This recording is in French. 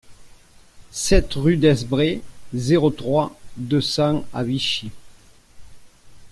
sept rue Desbrest, zéro trois, deux cents à Vichy